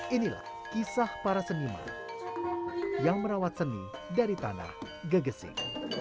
inilah kisah para seniman yang merawat seni dari tanah gegesik